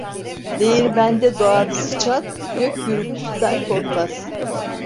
Değirmende doğan sıçan gök gürültüsünden korkmaz.